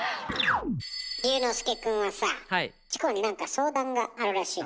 隆之介くんはさチコに何か相談があるらしいわね。